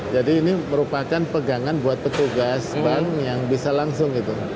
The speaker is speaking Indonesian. jadi ini merupakan pegangan buat petugas bank yang bisa langsung gitu